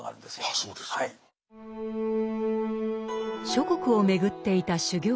諸国を巡っていた修行僧。